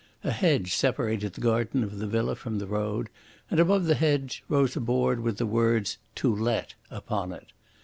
A hedge separated the garden of the villa from the road, and above the hedge rose a board with the words "To Let" upon it.